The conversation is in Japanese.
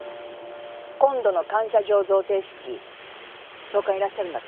今度の感謝状贈呈式総監いらっしゃるんだって？